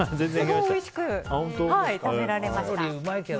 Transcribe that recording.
おいしく食べられました。